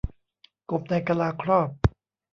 กบในกะลาครอบ